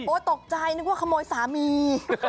ตกใจนึกว่าขโมยสามี